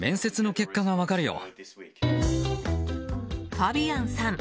ファビアンさん